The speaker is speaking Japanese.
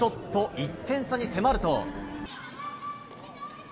１点差に迫ると。